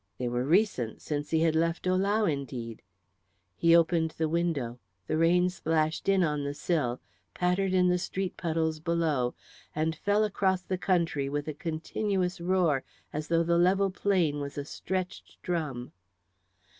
They were recent, since he had left Ohlau, indeed. He opened the window; the rain splashed in on the sill, pattered in the street puddles below, and fell across the country with a continuous roar as though the level plain was a stretched drum.